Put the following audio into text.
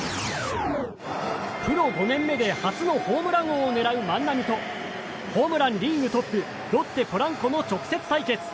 プロ５年目で初のホームラン王を狙う万波とホームランリーグトップロッテ、ポランコの直接対決。